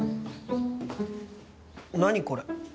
何これ？